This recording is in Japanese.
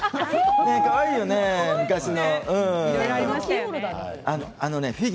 かわいいよね、昔の。